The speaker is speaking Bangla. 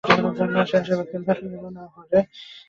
সেই আশীর্বাদ করো, তাঁকে যেন না হারাই।